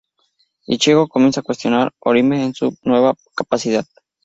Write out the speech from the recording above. Ichigo comienza a cuestionar Orihime en su nueva capacidad.